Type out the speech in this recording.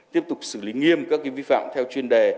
tiếp tục xử lý nghiêm các vi phạm theo chuyên đề